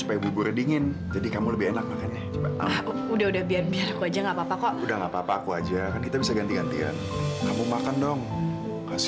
apa bingin vino menjadi bagian dari rumah banget